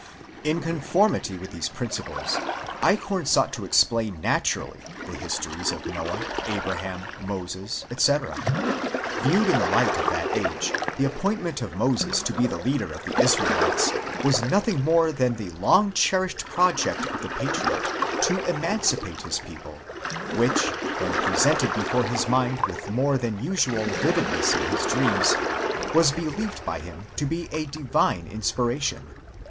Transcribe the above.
In conformity with these principles Eichhorn sought to explain naturally the histories of Noah, Abraham, Moses, etc. Viewed in the light of that age, the appointment of Moses to be the leader of the Israelities was nothing more than the long cherished project of the patriot to emancipate his people, which when presented before his mind with more than usual vividness in his dreams, was believed by him to be a divine inspiration.